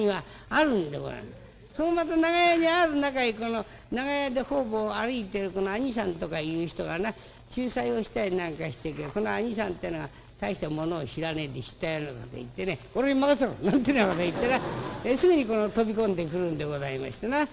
そのまた長屋にある中へ長屋で方々歩いてる兄さんとかいう人がな仲裁をしたりなんかしててこの兄さんってえのが大してものを知らねえで知ったようなこと言ってね「俺に任せろ！」なんてなこと言ってなすぐに飛び込んでくるんでございまして。